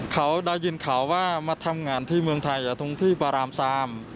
เขาได้ยินข่าวว่ามาทำงานที่เมืองไทยตรงที่ประราม๓